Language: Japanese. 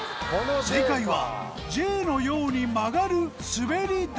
正解はＪのように曲がるすべり台！